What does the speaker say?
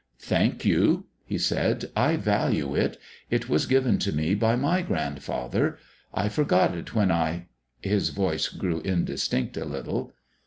"Thank you," he said; "I value it. It was given to me by my grandfather. I forgot it when I " His voice grew indistinct a little.